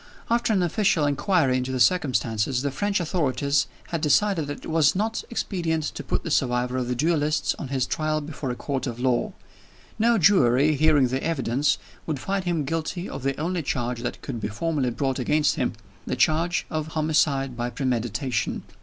After an official inquiry into the circumstances, the French authorities had decided that it was not expedient to put the survivor of the duelists on his trial before a court of law. No jury, hearing the evidence, would find him guilty of the only charge that could be formally brought against him the charge of "homicide by premeditation."